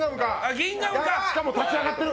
しかも立ち上がってる！